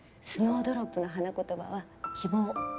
スノードロップの花言葉は「希望」。